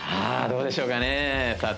どうでしょうかねさあ